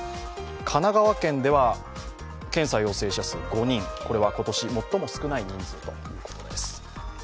神奈川県では検査陽性者数５人、これは今年最も少ない人数ということです。